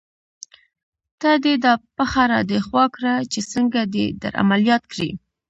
ته دې دا پښه را دې خوا کړه چې څنګه دې در عملیات کړې.